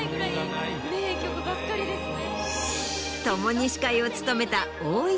名曲ばっかりですね。